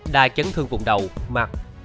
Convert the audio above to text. đài chấn thương vùng đầu mặt